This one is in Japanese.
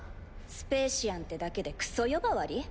スペーシアンってだけでクソ呼ばわり？